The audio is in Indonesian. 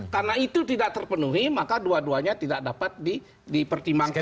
karena itu tidak terpenuhi maka dua duanya tidak dapat dipertimbangkan